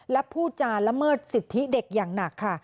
และผู้จานละเมิดสิทธิเด็กอย่างหนักค่ะ